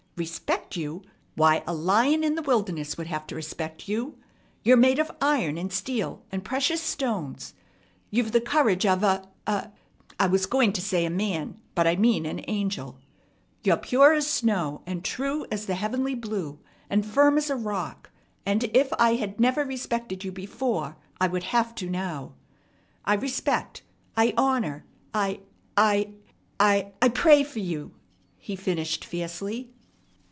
Respect you! Why, a lion in the wilderness would have to respect you. You're made of iron and steel and precious stones. You've the courage of a a I was going to say a man but I mean an angel. You're pure as snow, and true as the heavenly blue, and firm as a rock; and, if I had never respected you before, I would have to now. I respect, I honor, I I I pray for you!" he finished fiercely.